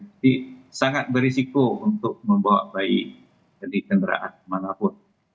jadi sangat berisiko untuk membawa bayi jadi kenderaan kemana pun